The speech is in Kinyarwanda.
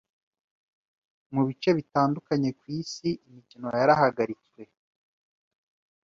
mu bice bitandukanye ku isi imikino yarahagaritswe